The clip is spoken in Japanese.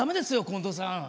近藤さん。